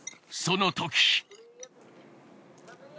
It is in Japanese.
その時。